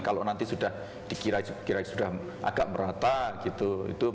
kalau nanti sudah dikira sudah agak merata gitu